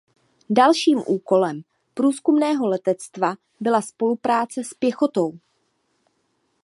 Dalším úkolem průzkumného letectva byla spolupráce s pěchotou.